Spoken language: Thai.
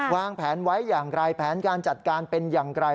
วางแผนไว้อย่างไรแผนการจัดการเป็นอย่างไร